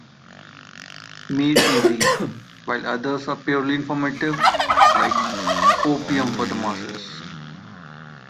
Made Easy", while others are purely informative, like "Opium for the Masses".